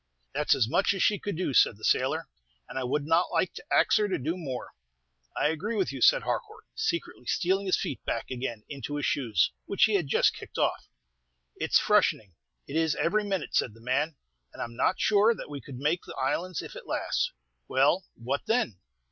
"That 's as much as she could do," said the sailor; "and I would not like to ax her to do more." "I agree with you," said Harcourt, secretly stealing his feet back again into his shoes, which he had just kicked off. "It's freshening it is every minute," said the man; "and I'm not sure that we could make the islands if it lasts." "Well, what then?"